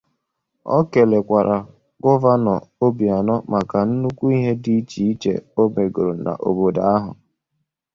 O kelekwara Gọvanọ Obianọ maka nnukwu ihe dị iche iche o megoro n'obodo ahụ